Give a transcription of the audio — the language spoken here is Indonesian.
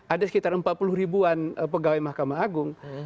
ada sekitar empat puluh ribuan pegawai mahkamah agung